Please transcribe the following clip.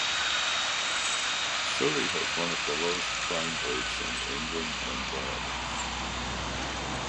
Surrey has one of the lowest crime rates in England and Wales.